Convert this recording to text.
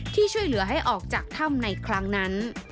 ที่ช่วยเหลือให้ออกจากถ้ำในครั้งนั้น